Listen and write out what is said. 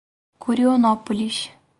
Curionópolis